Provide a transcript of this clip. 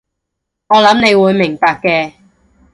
我諗你會明白嘅